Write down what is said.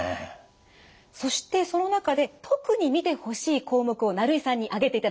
そしてその中で特に見てほしい項目を成井さんに挙げていただきました。